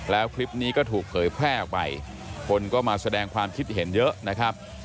แล้วคลิปนี้ก็ถูกเผยแพร่ออกไปคนก็มาแสดงความคิดเห็นเยอะนะครับ